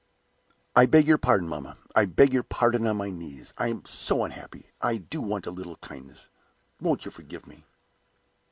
"I beg your pardon, mamma I beg your pardon on my knees. I am so unhappy; I do so want a little kindness! Won't you forgive me?"